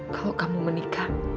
kalau kamu menikah